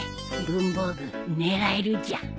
文房具狙えるじゃん。